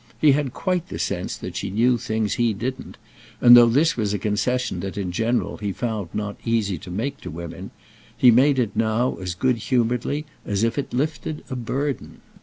He had quite the sense that she knew things he didn't, and though this was a concession that in general he found not easy to make to women, he made it now as good humouredly as if it lifted a burden.